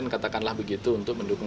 katakanlah begitu untuk mendukung